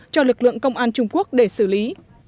cho lực lượng công an trung quốc để xử lý